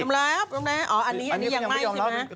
ยอมรับอันนี้ยังไม่